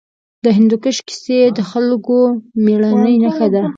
د هندوکش کیسې د خلکو د مېړانې نښه ده.